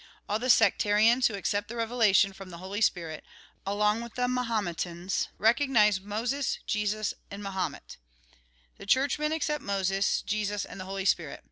All the sectarians who accept the revelation from the Holy Spirit, along with the Mahome tans, recognise Moses, Jesus, and Mahomet. The Churchmen accept Moses, Jesus, and the Holy Spirit.